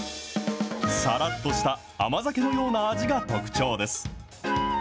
さらっとした甘酒のような味が特徴です。